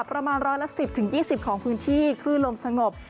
ประมาณร้อยละ๑๐๒๐ของพื้นที่คลื่นลมสงบ